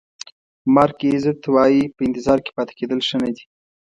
مارک ایزت وایي په انتظار کې پاتې کېدل ښه نه دي.